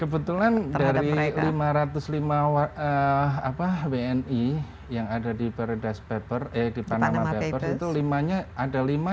kebetulan dari lima ratus lima wni yang ada di paradise papers eh di panama papers itu limanya ada lima yang sama